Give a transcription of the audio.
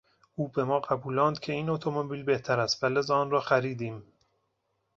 او به ما قبولاند که این اتومبیل بهتر است و لذا آنرا خریدیم.